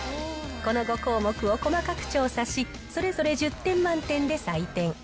この５項目を細かく調査し、それぞれ１０点満点で採点。